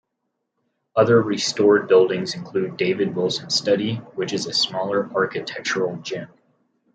Other restored buildings include David Willson's Study, which is a smaller architectural gem.